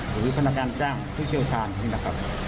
หรือพนักงานจ้างทุกเชี่ยวชาญนะครับ